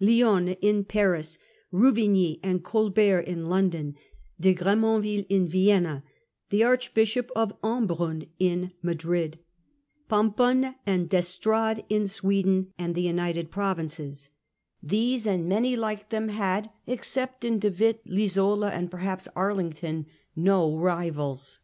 Lionne in Paris, Ru vigny and Colbert in London, De Gremonville in Vienna, the Archbishop of Embrun in Madrid, Pomponne and d'Estrades in Sweden and the United Provinces — these and many like them had, except in De Witt, Lisola, and, perhaps, Arlington, no rivals.